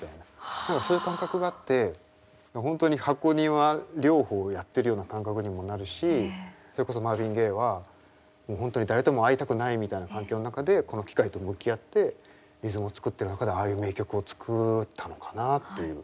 何かそういう感覚があって本当に箱庭療法やってるような感覚にもなるしそれこそマーヴィン・ゲイはもう本当に誰とも会いたくないみたいな環境の中でこの機械と向き合ってリズムを作ってる中でああいう名曲を作ったのかなっていう。